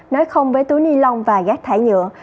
nói không với túi ni lông và rác thải nhựa